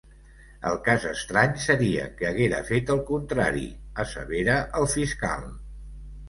El cas estrany seria que haguera fet el contrari, assevera el fiscal.